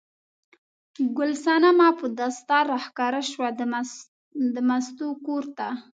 ګل صنمه په دستار راښکاره شوه د مستو کور ته.